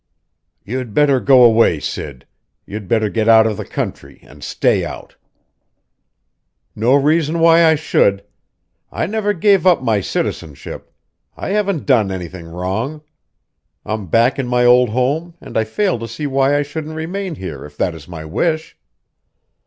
"You'd better go away, Sid; you'd better get out of the country and stay out!" "No reason why I should. I never gave up my citizenship; I haven't done anything wrong. I'm back in my old home, and I fail to see why I shouldn't remain here if that is my wish."